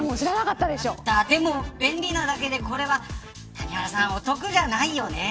でも便利なだけでこれはお得じゃないよね。